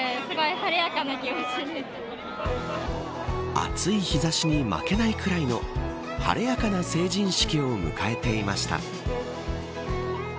暑い日差しに負けないくらいの晴れやかな成人式を迎えていました。